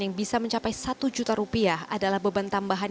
yang bisa mencapai satu juta rupiah adalah beban tambahan